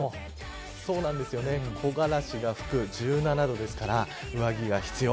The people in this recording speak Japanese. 木枯らしが吹く１７度ですから上着が必要。